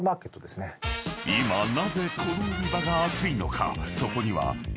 ［今なぜこの売り場が熱いのか？］